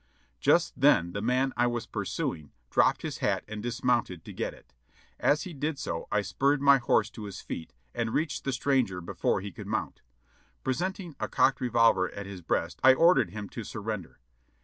Just then the man I was pursuing dropped his hat and dismounted to get it; as he did so I spurred my horse to his feet, and reached the stranger before he could mount. Presenting a cocked revolver at his breast I ordered him to surrender.